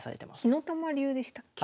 火の玉流でしたっけ？